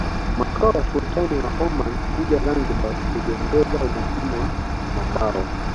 makao ya Sultani wa Oman kuja Zanzibar kuliongeza umuhimu wa mwambao